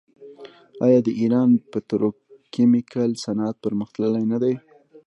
آیا د ایران پتروکیمیکل صنعت پرمختللی نه دی؟